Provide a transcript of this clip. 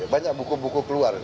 banyak buku buku keluar